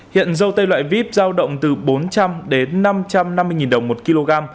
hiện dâu tây loại vip giao động từ bốn triệu đồng